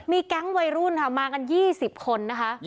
มีแก๊งวัยรุ่นค่ะมากัน๒๐คนนะคะ